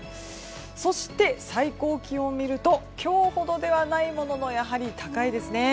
そして、最高気温を見ると今日ほどではないもののやはり高いですね。